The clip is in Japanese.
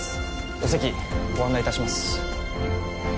お席ご案内いたします。